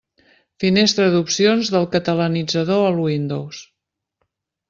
Finestra d'opcions del Catalanitzador al Windows.